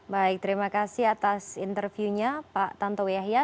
baik terima kasih atas interviewnya pak tantowi yahya